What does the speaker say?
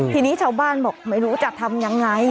ทีนี้ชาวบ้านบอกไม่รู้จะทำยังไง